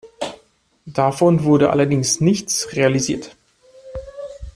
Davon wurde allerdings nichts realisiert.